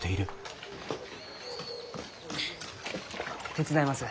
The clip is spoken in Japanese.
手伝います。